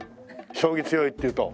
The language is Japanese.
将棋強いっていうと。